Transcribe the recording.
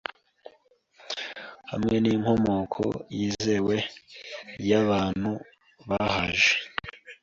hamwe ninkomoko yizewe yabantubahaje.